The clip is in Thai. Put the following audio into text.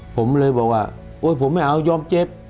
ผมเลยบอกว่าโอ๊ยผมไม่เอายอมเจ็บ